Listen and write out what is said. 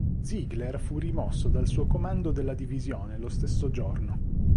Ziegler fu rimosso dal suo comando della divisione lo stesso giorno.